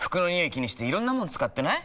気にしていろんなもの使ってない？